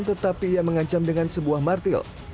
tetapi ia mengancam dengan sebuah martil